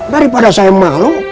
daripada saya malu